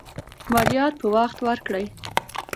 مالیات په وخت ورکړئ.